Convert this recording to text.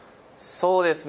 そうですね。